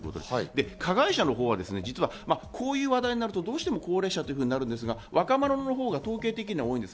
加害者のほうは実はこういう話題になるとどうしても高齢者ということになるんですが、若者のほうが統計的には多いんです。